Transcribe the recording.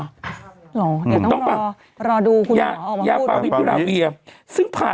หอกินนางต้องรอดูคุณหมอออกมาพูด